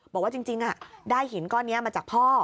บอกว่าจริงได้หินก้อนนี้มาจากพ่อ